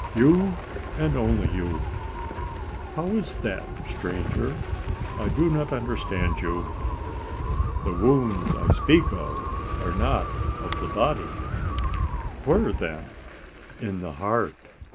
"You, and you only." "How is that, stranger? I do not understand you!" "The wounds I speak of are not in the body." "Where, then?" "In the heart."